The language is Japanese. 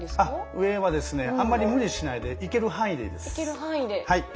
上はですねあんまり無理しないでいける範囲でいいです。